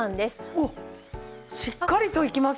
おっしっかりといきますね。